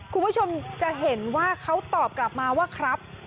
คุณผู้ชมจะเห็นว่าเขาตอบกลับมาว่าครับ